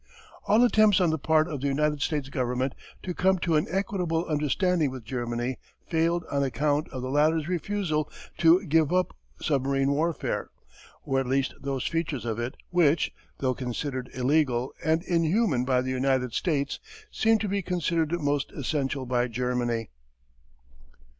All attempts on the part of the United States Government to come to an equitable understanding with Germany failed on account of the latter's refusal to give up submarine warfare, or at least those features of it which, though considered illegal and inhuman by the United States, seemed to be considered most essential by Germany.